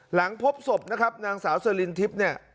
หลังพบศพนะครับนางสาวเนี่ย